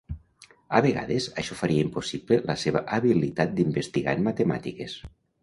A vegades això faria impossible la seva habilitat d'investigar en matemàtiques.